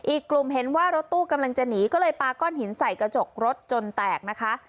อีกกลุ่มเห็นว่ารถตู้กำลังจะหนีก็เลยปาก้อนหินใส่กระจกรถจนแตกนะคะ